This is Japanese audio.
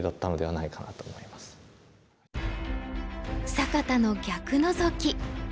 坂田の逆ノゾキ。